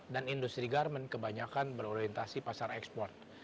dan industri garment kebanyakan berorientasi pasar ekspor